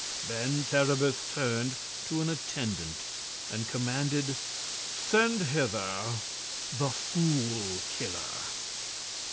Then Terribus turned to an attendant and commanded: "Send hither the Fool Killer."